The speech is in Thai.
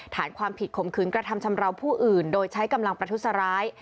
ฐานความผิดข่มขืนกระทำชำราวผู้อื่นโดยใช้กำลังประทุษร้าย